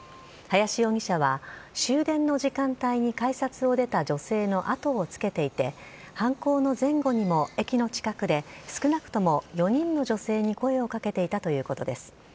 林容疑者は終電の時間帯に改札を出た女性の後をつけていて、犯行の前後にも駅の近くで少なくとも４人の女性に声をかけていたということです。